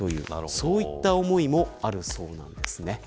そういった思いもあるそうです。